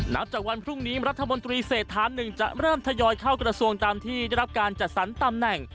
นับจากวันพรุ่งนี้รัฐมนตรีเศรษฐานหนึ่งจะเริ่มทยอยเข้ากระทรวงตามที่ได้รับการจัดสรรตำแหน่ง